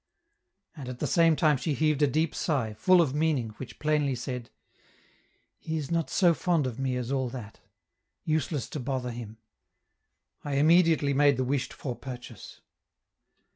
And at the same time she heaved a deep sigh, full of meaning, which plainly said: "He is not so fond of me as all that. Useless to bother him." I immediately made the wished for purchase.